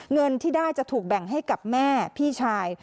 เงินที่ได้จะถูกแบ่งให้กับแม่พี่ชาย